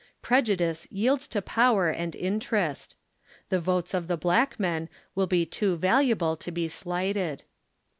Prejudice yields to power and interest. The votes of the black men will be too valuable to be slighted.